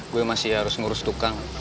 gue masih harus ngurus tukang